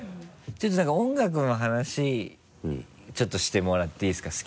ちょっとなんか音楽の話ちょっとしてもらっていいですか